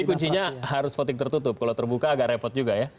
jadi kuncinya harus voting tertutup kalau terbuka agak repot juga ya